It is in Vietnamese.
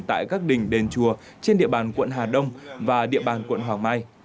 tại các đình đền chùa trên địa bàn quận hà đông và địa bàn quận hoàng mai